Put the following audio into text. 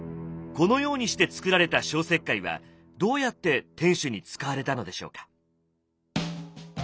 このようにして作られた消石灰はどうやって天守に使われたのでしょうか？